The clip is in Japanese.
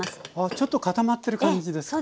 ちょっと固まってる感じですね。